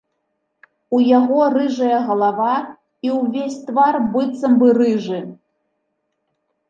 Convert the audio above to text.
У яго рыжая галава і ўвесь твар быццам бы рыжы.